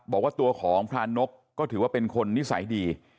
บอกว่าตัวของพรานกก็ถือว่าเป็นคนนิสัยดี